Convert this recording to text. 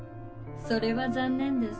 それは残念です。